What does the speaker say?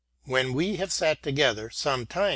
" When we have sat together some time.